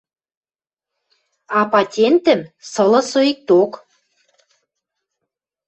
А патентӹм сылы соикток.